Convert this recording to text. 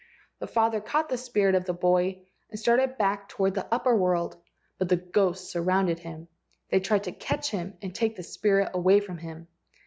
The father caught the spirit of the boy and started back toward the Upper world, but the ghosts surrounded him. They tried to catch him and take the spirit away from him.